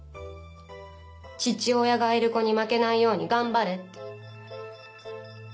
父親がいる子に負けないように頑張れって。